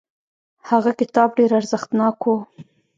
هغه کتاب ډیر ارزښتناک و.